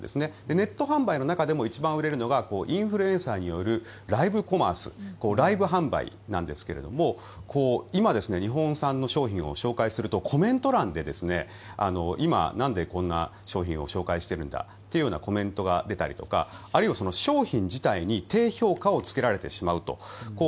ネット販売の中でも一番売れるのがインフルエンサーによるライブコマースライブ販売なんですが今、日本産の商品を紹介するとコメント欄で今、なんでこんな商品を紹介しているんだというようなコメントが出たりとかあるいは商品自体に低評価をつけられてしまうと。